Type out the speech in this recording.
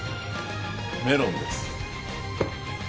メロンです。